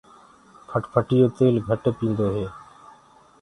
موٽر سيڪل تيل گهٽ پيٚندو هي۔